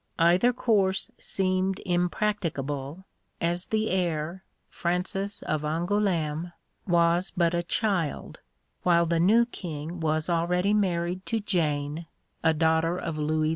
Either course seemed impracticable, as the heir, Francis of Angoulême, was but a child, while the new King was already married to Jane, a daughter of Louis XI.